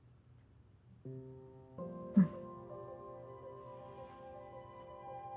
うん。